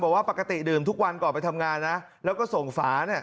บอกว่าปกติดื่มทุกวันก่อนไปทำงานนะแล้วก็ส่งฝาเนี่ย